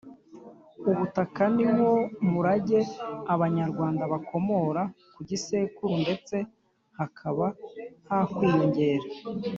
Ubutaka niwo murage abanyarwanda bakomora ku gisekuru ndetse hakaba hakwiyongera